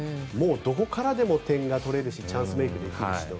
どこからでも点が取れるしチャンスメイクができるしと。